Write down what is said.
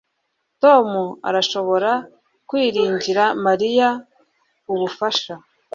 Tom arashobora kwiringira Mariya ubufasha